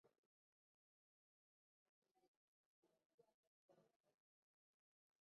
Baada ya ushindi Waingereza walikataa kumpa cheo katika jeshi la mfalme